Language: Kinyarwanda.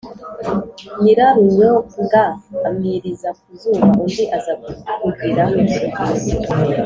nyirarunyonga amwiriza ku zuba; undi aza kugira